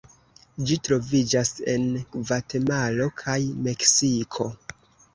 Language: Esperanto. Ĝi troviĝas en Gvatemalo kaj Meksiko.